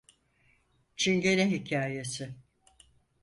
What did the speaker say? Çingene hikâyesi.